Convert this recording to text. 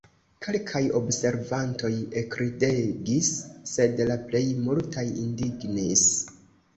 Kelkaj observantoj ekridegis, sed la plej multaj indignis.